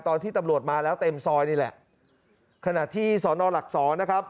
ตอนที่ตำรวจมาแล้วเต็มซอยนี่แหละขณะที่สอนอหลักศรนะครับ